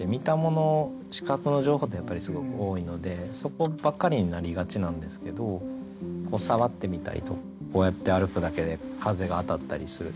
視覚の情報ってやっぱりすごく多いのでそこばかりになりがちなんですけど触ってみたりとかこうやって歩くだけで風が当たったりするじゃないですか。